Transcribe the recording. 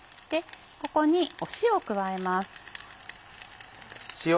ここに塩を加えます。